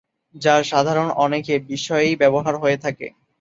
যা সাধারণ অনেকে বিষয়েই ব্যবহার হয়ে থাকে।